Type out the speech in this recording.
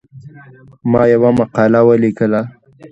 ما یوه مقاله ولیکله.